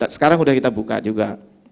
sekarang sudah kita buka juga